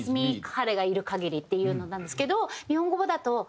「彼がいる限り」っていうのなんですけど日本語版だと。